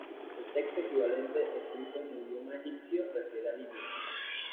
El texto equivalente, escrito en el idioma egipcio, refiere a Libia.